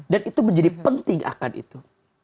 dan itu menjadi penting akan itu